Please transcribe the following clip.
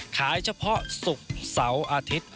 เฉพาะศุกร์เสาร์อาทิตย์